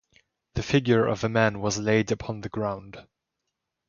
The figure of a man was laid upon the ground.